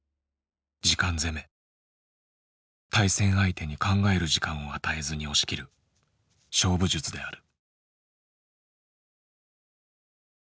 対戦相手に考える時間を与えずに押し切る勝負術である。